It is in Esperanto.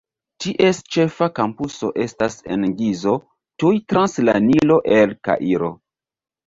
Ties ĉefa kampuso estas en Gizo, tuj trans la Nilo el Kairo.